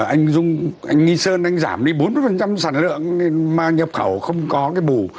anh dung anh nghi sơn anh giảm đi bốn mươi sản lượng mà nhập khẩu không có cái bù